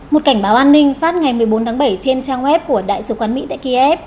một cảnh báo an ninh phát ngày một mươi bốn tháng bảy trên trang web của đại sứ quán mỹ tại kiev